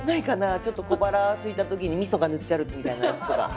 ちょっと小腹すいた時にみそが塗ってあるみたいなやつとか。